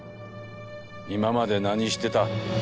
今まで何してた？